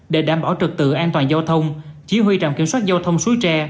để đảm bảo trực tự an toàn giao thông chỉ huy trạm kiểm soát giao thông suối tre